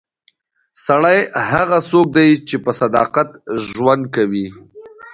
سړی هغه څوک دی چې په صداقت ژوند کوي.